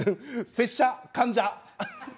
拙者患者。